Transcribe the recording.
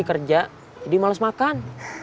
kamu harus makan